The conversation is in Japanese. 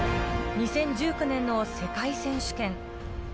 ２０１９年の世界選手権。